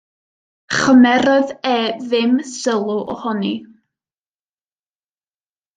Chymerodd e ddim sylw ohoni.